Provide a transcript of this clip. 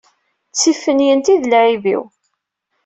D tiffinyent i d lɛib-iw.